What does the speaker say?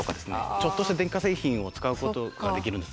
ちょっとした電化製品を使うことができるんです。